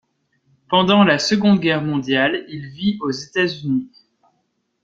Pendant la Seconde Guerre mondiale, il vit aux États-Unis.